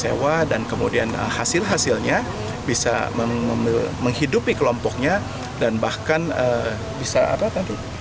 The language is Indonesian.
sewa dan kemudian hasil hasilnya bisa menghidupi kelompoknya dan bahkan bisa apa tadi